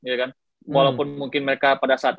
ya kan walaupun mungkin mereka pada saat